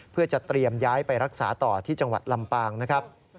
เพื่อจะเตรียมย้ายไปรักษาต่อที่จังหวัดลำปางนะครับ